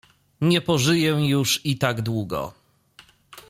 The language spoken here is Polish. Nie pożyję już i tak długo.